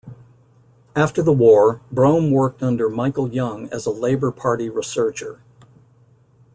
After the war Brome worked under Michael Young as a Labour Party researcher.